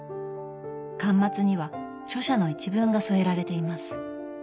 巻末には著者の一文が添えられています。